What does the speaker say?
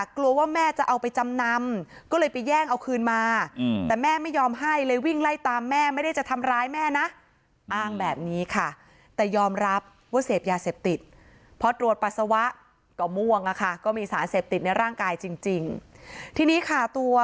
ครูแม่บุญมีก็บอกว่า